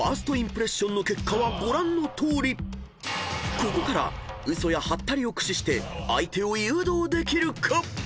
［ここから嘘やハッタリを駆使して相手を誘導できるか⁉］